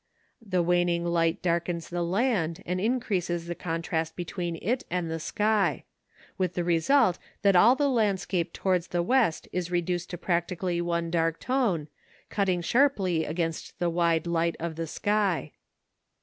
The waning light darkens the land and increases the contrast between it and the sky, with the result that all the landscape towards the west is reduced to practically one dark tone, cutting sharply against the wide light of the sky.